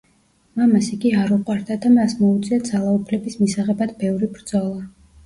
მამას იგი არ უყვარდა და მას მოუწია ძალაუფლების მისაღებად ბევრი ბრძოლა.